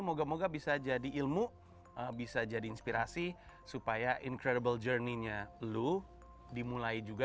moga moga bisa jadi ilmu bisa jadi inspirasi supaya incredible journey nya lo dimulai juga